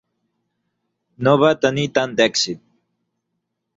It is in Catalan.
No va tenir tant d'èxit.